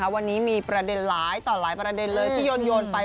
วันนี้มีประเด็นหลายต่อหลายประเด็นเลยที่โยนไป